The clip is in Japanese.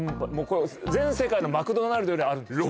全世界のマクドナルドよりあるんです